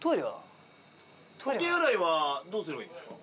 お手洗いはどうすればいいんですか？